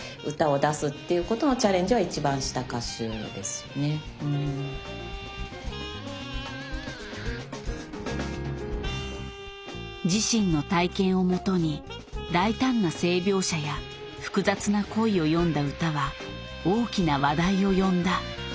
だからこう自身の体験をもとに大胆な性描写や複雑な恋を詠んだ歌は大きな話題を呼んだ。